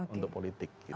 untuk politik gitu